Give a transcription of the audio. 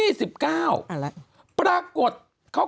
คุณหนุ่มกัญชัยได้เล่าใหญ่ใจความไปสักส่วนใหญ่แล้ว